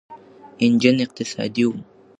انجن اقتصادي و.